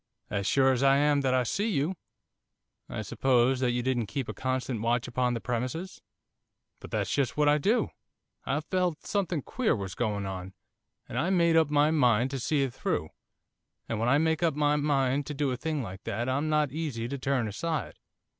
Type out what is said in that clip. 'As sure as I am that I see you.' 'I suppose that you didn't keep a constant watch upon the premises?' 'But that's just what I did do. I felt something queer was going on, and I made up my mind to see it through. And when I make up my mind to a thing like that I'm not easy to turn aside.